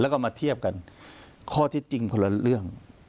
แล้วก็มาเทียบกันข้อเท็จจริงคนละเรื่อง